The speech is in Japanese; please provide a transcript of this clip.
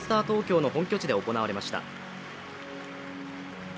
東京の本拠地で行われました。